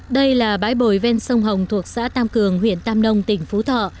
đây là bãi bồi ven sông hồng thuộc xã tam cường huyện tam nông tỉnh phú thọ